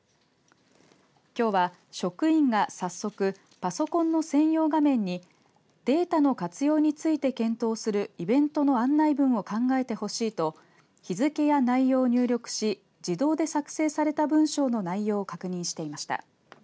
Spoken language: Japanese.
きょうは、職員が早速パソコンの専用画面にデータの活用について検討するイベントの案内文を考えてほしいと日付や内容を入力し自動で作成された文章の内容を確認していました。